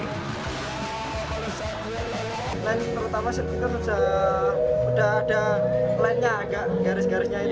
terutama sirkuitnya sudah ada lintnya agak garis garisnya itu